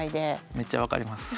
めっちゃ分かります。